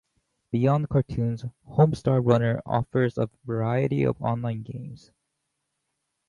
Beyond cartoons, "Homestar Runner" offers a variety of online games.